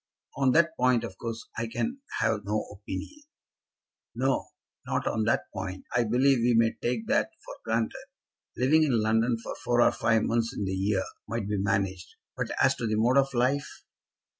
"On that point, of course, I can have no opinion." "No; not on that point. I believe we may take that for granted. Living in London for four or five months in the year might be managed. But as to the mode of life!"